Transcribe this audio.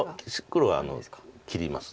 黒は切ります。